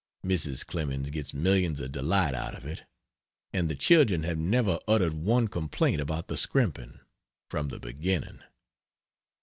Mrs. Clemens gets millions of delight out of it; and the children have never uttered one complaint about the scrimping, from the beginning.